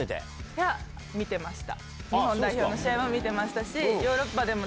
いや、見てました。